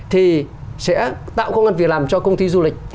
thì sẽ tạo công an việc làm cho công ty du lịch